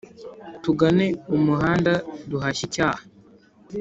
tugane umuhanda duhashye icyaha